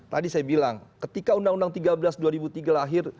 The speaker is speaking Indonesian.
tadi saya bilang ketika undang undang tiga belas dua ribu tiga lahir